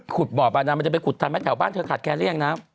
ขุดเบาะบาดานมันจะไปขุดทางแถวบ้านเธอกัดแคนนึงมั้ย